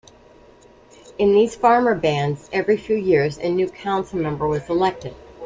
In these farmer bands, every few years a new council member was elected.